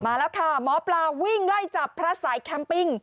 มาแล้วค่ะหมอปลาวิ่งไล่จับพระสายแคมปิ้ง